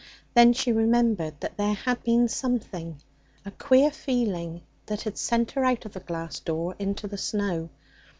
Then she remembered that there had been something a queer feeling that had sent her out of the glass door into the snow.